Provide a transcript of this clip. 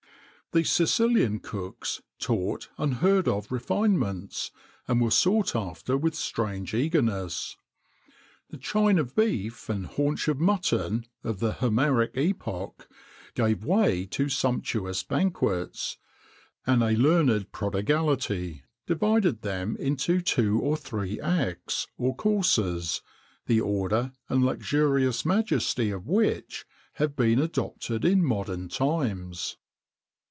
The Sicilian cooks taught unheard of refinements, and were sought after with strange eagerness.[XXIX 67] The chine of beef and haunch of mutton of the Homeric epoch, gave way to sumptuous banquets, and a learned prodigality divided them into two or three acts, or courses,[XXIX 68] the order and luxurious majesty of which have been adopted in modern times.